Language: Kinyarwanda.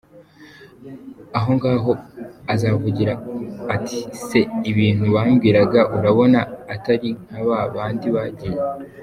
Ahongaho azavuga ati ’se ibintu bambwiraga urabona atari nka ba bandi bagiye’”.